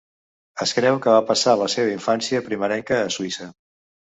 Es creu que va passar la seva infància primerenca a Suïssa.